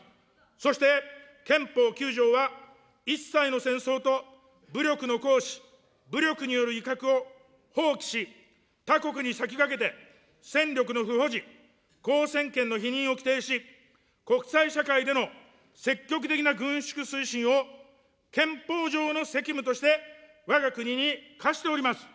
そして憲法９条は一切の戦争と武力の行使・武力による威嚇を放棄し、他国に先駆けて戦力の不保持、交戦権の否認を規定し、国際社会での積極的な軍縮推進を憲法上の責務として、わが国に課しております。